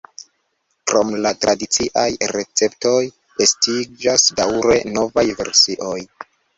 Krom la tradiciaj receptoj estiĝas daŭre novaj versioj.